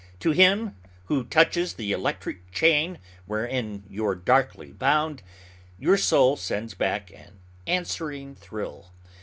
To him who "touches the electric chain wherewith you're darkly bound," your soul sends back an answering thrill.